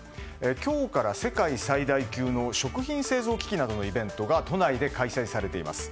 今日から世界最大級の食品製造機器などのイベントが都内で開催されています。